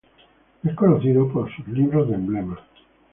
Es conocido por sus libros de emblemas.